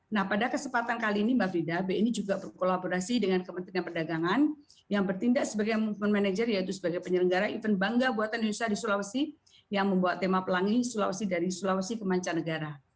nah pada kesempatan kali ini mbak frida bni juga berkolaborasi dengan kementerian perdagangan yang bertindak sebagai movement manager yaitu sebagai penyelenggara event bangga buatan indonesia di sulawesi yang membawa tema pelangi dari sulawesi ke mancanegara